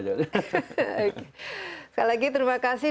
sekali lagi terima kasih